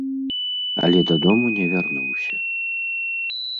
Але дадому не вярнуўся.